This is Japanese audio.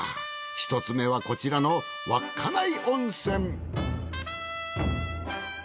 １つ目はこちらの稚内温泉。